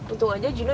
untung aja juno